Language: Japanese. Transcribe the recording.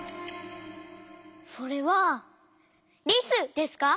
それはリスですか？